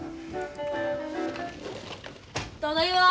ただいま！